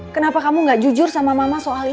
kenapa kamu gak jujur sama mama soal ini